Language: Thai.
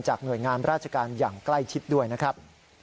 หน่วยงานราชการอย่างใกล้ชิดด้วยนะครับ